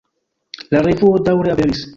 La revuo daŭre aperis.